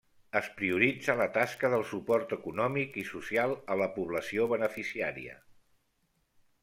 Es prioritza la tasca del suport econòmic i social a la població beneficiària.